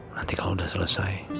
nanti kalau udah selesai